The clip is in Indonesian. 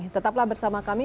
tetaplah bersama kami